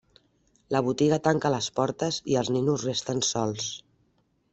La botiga tanca les portes i els ninos resten sols.